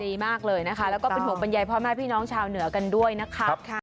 ดีมากเลยนะคะแล้วก็เป็นห่วงบรรยายพ่อแม่พี่น้องชาวเหนือกันด้วยนะคะ